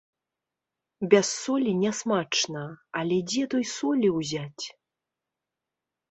Без солі нясмачна, але дзе той солі ўзяць?